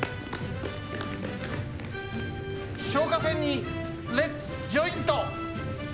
消火栓にレッツジョイント！